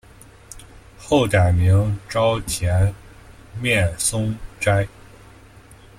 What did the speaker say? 后改名沼田面松斋。